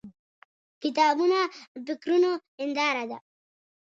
• کتابونه د فکرونو هنداره ده.